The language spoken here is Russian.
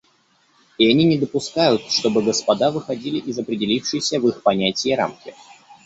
И они не допускают, чтобы господа выходили из определившейся в их понятии рамки.